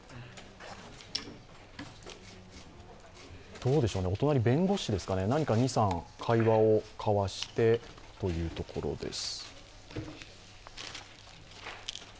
どうでしょうね、お隣、弁護士でしょうか、何か２３、会話を交わしてというところです。